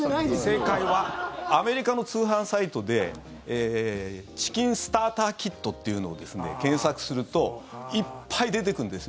正解はアメリカの通販サイトでチキンスターターキットっていうのを検索するといっぱい出てくんです。